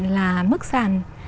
là mức sàn